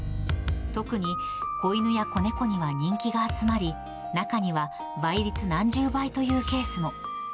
特に子犬や子猫には人気が集まり、中には、倍率何十倍というケースも。